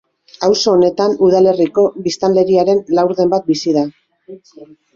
Auzo honetan udalerriko biztanleriaren laurden bat bizi da.